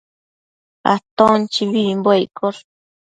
Aton chibibimbuec iccosh